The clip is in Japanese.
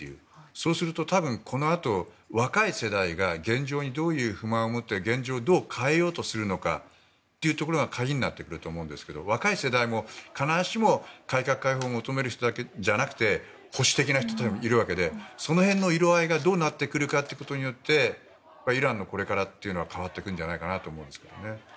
そうすると多分このあと若い世代が現状にどういう不満を持って現状をどう変えようとするのかが鍵になってくると思いますが若い世代も必ずしも改革・解放を求める人だけじゃなく保守的な人もいるわけでその辺の色合いがどうなってくるかによってイランのこれからは変わってくると思います。